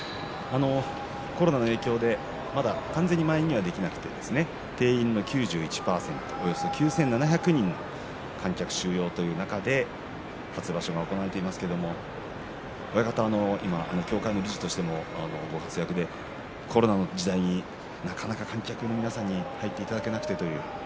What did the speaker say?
コロナの影響でまだ完全に満員にはできなくて定員が９１％およそ９７００人の観客を収容という中で初場所が行われていますけれども親方は今協会の理事としてもご活躍でコロナの時代になかなか観客の皆さんに入っていけなくてという。